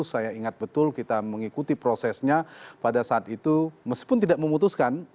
saya ingat betul kita mengikuti prosesnya pada saat itu meskipun tidak memutuskan